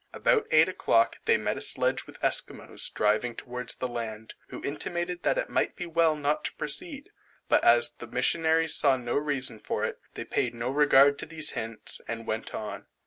About eight o'clock they met a sledge with Esquimaux driving towards the land, who intimated that it might be well not to proceed; but as the missionaries saw no reason for it, they paid no regard to these hints, and went on.